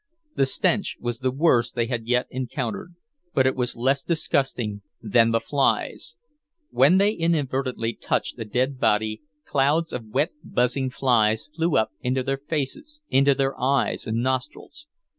The stench was the worst they had yet encountered, but it was less disgusting than the flies; when they inadvertently touched a dead body, clouds of wet, buzzing flies flew up into their faces, into their eyes and nostrils.